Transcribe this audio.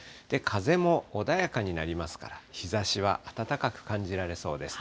風も穏やかになりますから、日ざしは暖かく感じられそうです。